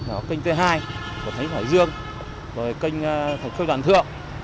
là ở kênh t hai của thánh hải dương rồi kênh thành phố đoàn thượng